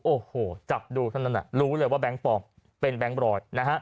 โอ้โหจับดูทำไมรู้เลยว่าแบงค์เป็นแบงค์บรอย